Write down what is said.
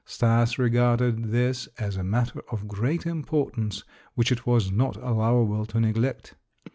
Stas regarded this as a matter of great importance which it was not allowable to neglect.